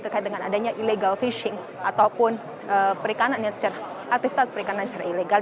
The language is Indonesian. terkait dengan adanya illegal fishing ataupun aktivitas perikanan secara ilegal